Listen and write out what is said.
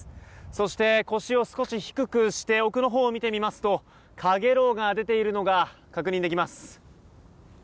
そして、腰を少し低くして奥のほうを見てみますと陽炎が出ているのが確認できます。